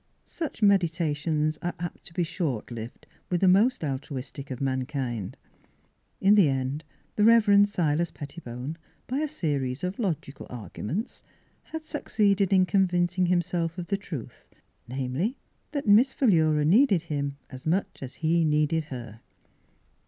Such meditations are apt to be short lived with the most altruistic of mankind. In the end the Rev. Silas Pettibone, by a series of logical arguments, had succeeded in convincing himself of the truth : namely, ^at Miss Philura needed him, as much as Miss Philura's Wedding Gown he needed her.